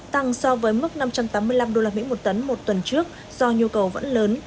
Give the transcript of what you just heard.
tăng so với mức năm trăm tám mươi năm đô la mỹ một tấn một tuần trước do nhu cầu vẫn lớn